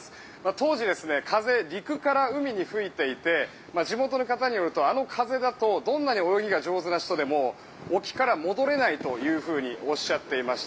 当時、風陸から海に吹いていて地元の方によるとあの風だとどんなに泳ぎが上手な人でも沖から戻れないというふうにおっしゃっていました。